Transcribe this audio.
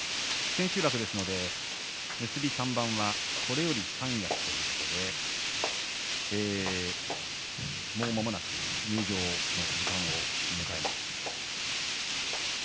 千秋楽ですので結び３番はこれより三役でもうまもなく入場の時間を迎えます。